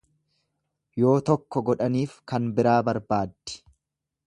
Yoo tokko godhaniif kan biraa barbaaddi.